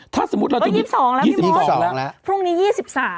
ถ้าสมมุติเราจะ๒๒แล้วพี่บอสพรุ่งนี้๒๓